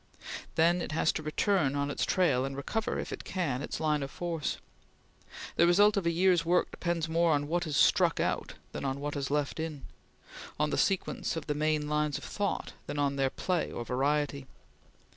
Then it has to return on its trail, and recover, if it can, its line of force. The result of a year's work depends more on what is struck out than on what is left in; on the sequence of the main lines of thought, than on their play or variety.